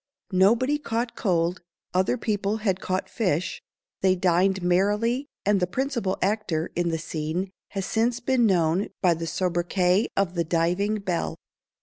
Nobody caught cold; other people had caught fish; they dined merrily, and the principal actor in the scene has since been known by the sobriquet of the diving belle.